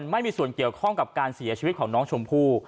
ไม่มีส่วนเกี่ยวข้องกับการเสียชีวิตของน้องชมพู่